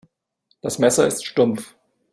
Das Messer ist stumpf.